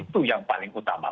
itu yang paling utama